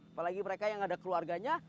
apalagi mereka yang ada keluarganya